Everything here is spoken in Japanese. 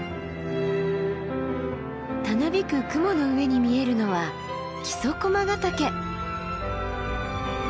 たなびく雲の上に見えるのは木曽駒ヶ岳。